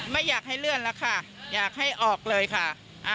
ไม่อยากให้เลื่อนแล้วค่ะอยากให้ออกเลยค่ะ